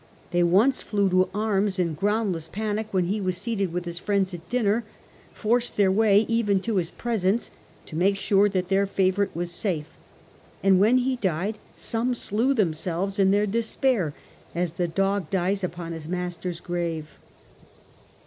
They once flew to arms in groundless panic when he was seated with his friends at supper, forced their way even to his presence, to make sure that their favourite was safe; and when he died some slew themselves in their despair, as the dog dies upon his master's grave.